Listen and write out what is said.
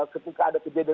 ketika ada kejadian